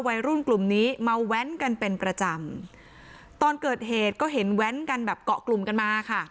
วัยรุ่นกลุ่มนี้มาแว้นกันเป็นประจำตอนเกิดเหตุก็เห็นแว้นกันแบบเกาะกลุ่มกันมาค่ะ